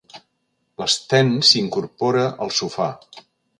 L'Sten s'incorpora al sofà.